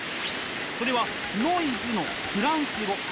それはノイズのフランス語。